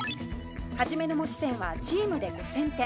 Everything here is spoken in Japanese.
初めの持ち点はチームで５０００点